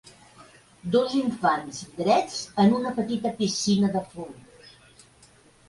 Dos infants drets en una petita piscina de font.